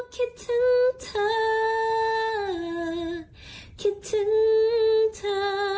คิดถึงเธอ